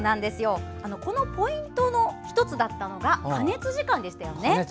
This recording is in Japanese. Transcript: このポイントの１つだったのが加熱時間でしたよね。